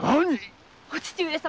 お父上様。